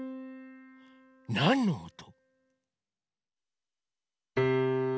なんのおと？